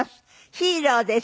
『ヒーロー』です。